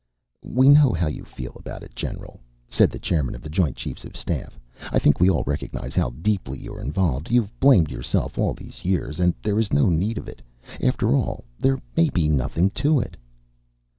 "We know how you feel about it, General," said the chairman of the joint chiefs of staff. "I think we all recognize how deeply you're involved. You've blamed yourself all these years and there is no need of it. After all, there may be nothing to it."